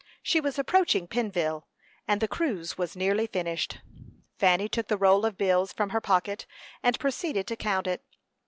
She was approaching Pennville, and the cruise was nearly finished. Fanny took the roll of bills from her pocket, and proceeded to count it.